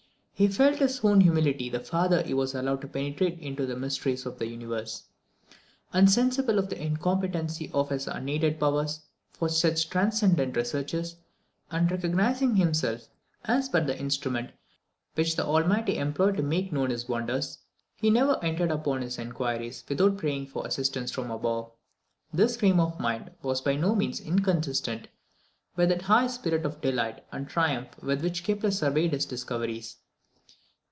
He felt his own humility the farther he was allowed to penetrate into the mysteries of the universe; and sensible of the incompetency of his unaided powers for such transcendent researches, and recognising himself as but the instrument which the Almighty employed to make known his wonders, he never entered upon his inquiries without praying for assistance from above. This frame of mind was by no means inconsistent with that high spirit of delight and triumph with which Kepler surveyed his discoveries.